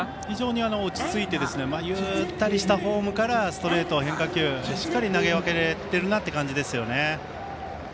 非常に落ち着いてゆったりしたフォームからストレート、変化球しっかり投げ分けてるなという感じですね。